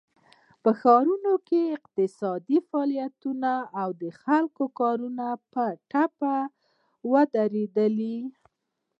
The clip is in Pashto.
په ښارونو کې اقتصادي فعالیتونه او د خلکو کارونه په ټپه ودرېدل.